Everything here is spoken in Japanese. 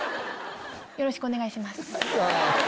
よろしくお願いします。